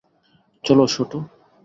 চলো, শুটু।